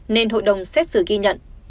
nên hội đồng xét xử ghi nhận